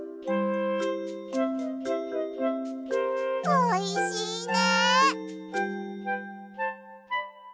おいしいね。